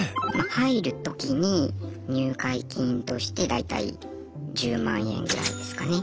入るときに入会金として大体１０万円ぐらいですかね。